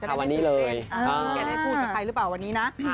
อันนี้แกได้พูดกับใครหรือเปล่าวันนี้นะ